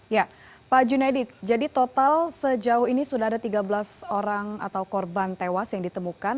ya pak junaidi jadi total sejauh ini sudah ada tiga belas orang atau korban tewas yang ditemukan